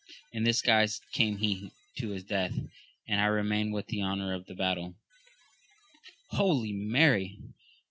In this guise came he to his deaths and I remain with the honour of the battle. Holy Mary